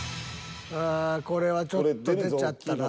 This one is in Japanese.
ああこれはちょっと出ちゃったなぁ。